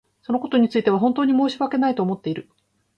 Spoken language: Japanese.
そのことについては本当に申し訳ないと思っている。